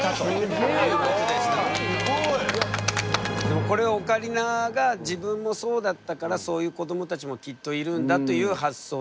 でもこれオカリナが自分もそうだったからそういう子どもたちもきっといるんだという発想だよね。